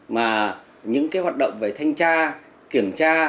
mà những hoạt động về thanh tra kiểm tra